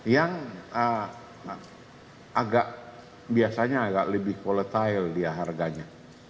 yang agak biasanya agak lebih volatile dia harganya